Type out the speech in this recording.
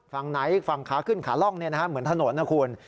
ฝั่งไหนฝั่งขาขึ้นขาล่องเหมือนถนนนะคุณ